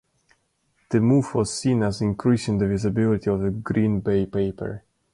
The move was seen as increasing the visibility of the Green Bay paper.